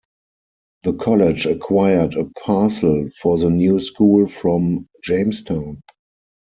The College acquired a parcel for the new school, from Jamestown.